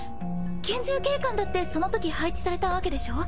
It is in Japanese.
拳銃警官だってそのとき配置されたわけでしょう？